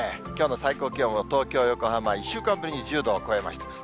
きょうの最高気温は東京、横浜、１週間ぶりに１０度を超えました。